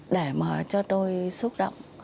để mà cho tôi xúc động